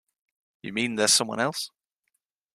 You mean there's someone else?